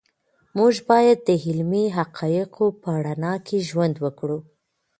موږ باید د علمي حقایقو په رڼا کې ژوند وکړو.